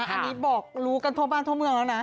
อันนี้บอกรู้กันทั่วบ้านทั่วเมืองแล้วนะ